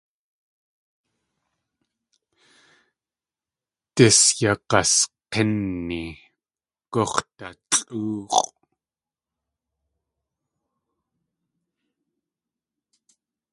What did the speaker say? Dís yag̲ask̲ínni gux̲dalʼóox̲ʼ.